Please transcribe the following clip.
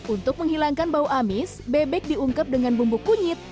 untuk menghilangkan bau amis bebek diungkep dengan bumbu kunyit